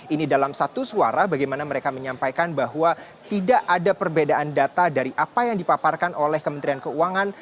ini dalam satu suara bagaimana mereka menyampaikan bahwa tidak ada perbedaan data dari apa yang dipaparkan oleh kementerian keuangan